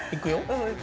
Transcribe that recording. うん。